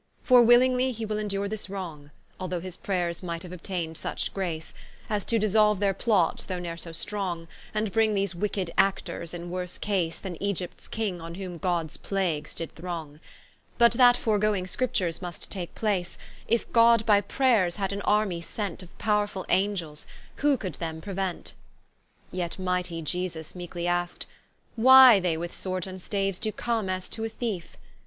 For willingly he will endure this wrong, Although his pray'rs might have obtain'd such grace, As to dissolve their plots though ne'er so strong, And bring these wicked Actors in worse case Than Ægypts King on whom Gods plagues did throng, But that foregoing Scriptures must take place: If God by prayers had an army sent Of powrefull Angels, who could them prevent? Yet mighty IE S V S meekely ask'd, Why they With Swords and Staves doe come as to a Thiefe?